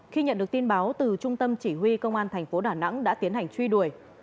khi nhận được tin báo từ trung tâm chỉ huy công an thành phố đà nẵng đã tiến hành truy đuổi